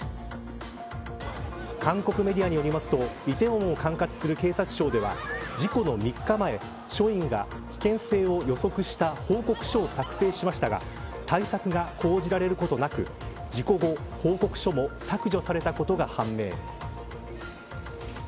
韓国メディアによりますと梨泰院を管轄する警察庁では事故の３日前署員が危険性を予測した報告書を作成しましたが対策が講じられることなく事故後報告書も削除されたことが判明。